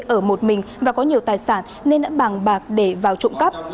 ở một mình và có nhiều tài sản nên đã bàn bạc để vào trộm cắp